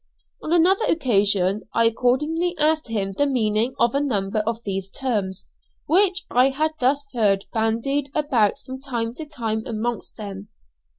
On another occasion I accordingly asked him the meaning of a number of these terms which I had thus heard bandied about from time to time amongst them.